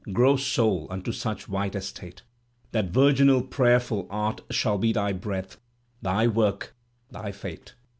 Grow, Soul! unto such white estate. That virginal prayerful art shall be they breath. Thy work, thy fate.